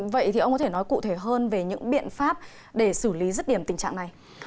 vậy thì ông có thể nói cụ thể hơn về những biện pháp để xử lý rứt điểm tình trạng này